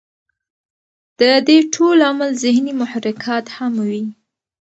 د دې ټول عمل ذهني محرکات هم وي